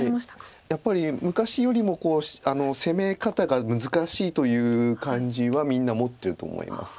やっぱり昔よりも攻め方が難しいという感じはみんな持ってると思います。